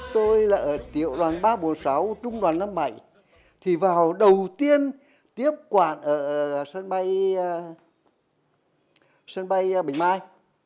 tôi là ở tiểu đoàn ba trăm bốn mươi sáu trung đoàn năm mươi bảy thì vào đầu tiên tiếp quản ở sân bay bạch mai